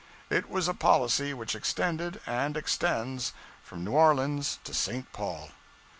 It was a policy which extended and extends from New Orleans to St. Paul.